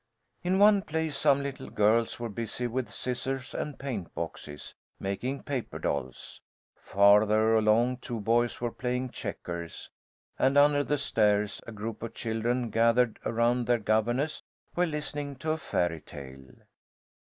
In one place some little girls were busy with scissors and paint boxes, making paper dolls. Farther along two boys were playing checkers, and, under the stairs, a group of children, gathered around their governess, were listening to a fairy tale.